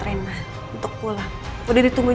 rena untuk pulang udah ditunggu